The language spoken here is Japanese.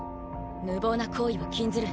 無謀な行為は禁ずる。